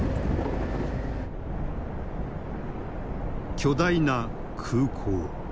巨大な空港。